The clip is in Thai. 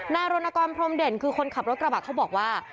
รณกรพรมเด่นคือคนขับรถกระบะเขาบอกว่า